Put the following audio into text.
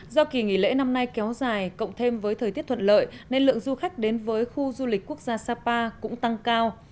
do kỳ nghỉ lễ năm nay kéo dài cộng thêm với thời tiết thuận lợi nên lượng du khách đến với khu du lịch quốc gia sapa cũng tăng cao